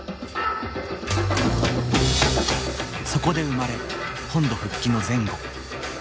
そこで生まれ本土復帰の前後